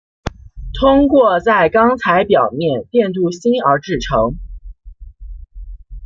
通过在钢材表面电镀锌而制成。